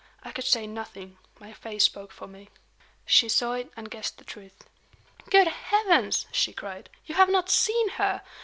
I could say nothing my face spoke for me. She saw it, and guessed the truth. "Good heavens!" she cried, "you have not seen her!